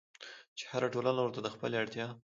چې هره ټولنه ورته د خپلې اړتيا